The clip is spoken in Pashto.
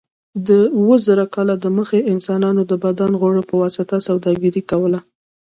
د اوه زره کاله دمخه انسانانو د بدن غړو په واسطه سوداګري کوله.